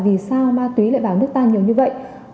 vì sao ma túy lại vào nước ta nhiều như vậy